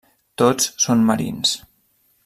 Tots són marins.